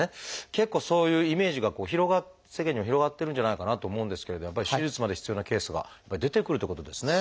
結構そういうイメージがこう世間にも広がってるんじゃないかなと思うんですけれどやっぱり手術まで必要なケースが出てくるっていうことですね。